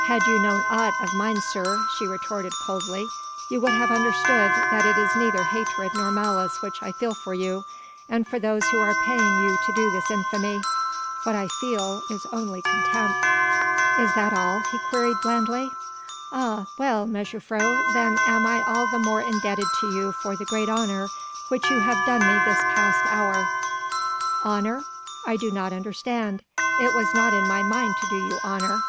"Had you known aught of mine, sir," she retorted coldly, "you would have understood that it is neither hatred nor malice which I feel for you and for those who are paying you to do this infamy ... what I feel is only contempt." "Is that all?" he queried blandly. "Ah, well, mejuffrouw, then am I all the more indebted to you for the great honour which you have done me this hour past." "Honour? I do not understand. It was not in my mind to do you honour."